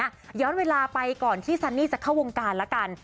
ย้อนเวลาไปก่อนที่ซันนี่จะเข้าวงการละกัน